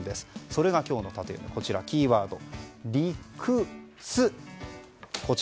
それが今日のタテヨミキーワード、リクツ。